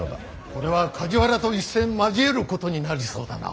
これは梶原と一戦交えることになりそうだな。